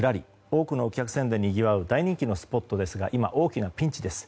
多くのお客さんでにぎわう大人気のスポットですが今、大きなピンチです。